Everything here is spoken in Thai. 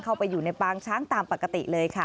เข้าไปอยู่ในปางช้างตามปกติเลยค่ะ